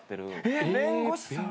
えっ弁護士さん。